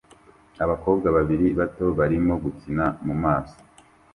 Abakobwa babiri bato barimo gukina mu masoko